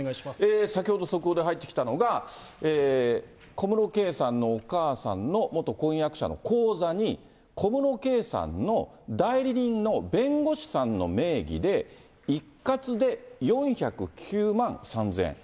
先ほど速報で入ってきたのが、小室圭さんのお母さんの元婚約者の口座に、小室圭さんの代理人の弁護士さんの名義で、一括で４０９万３０００円。